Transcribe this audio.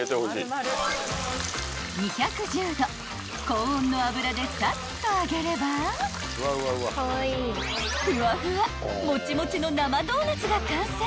高温の油でさっと揚げればフワフワもちもちの生ドーナツが完成］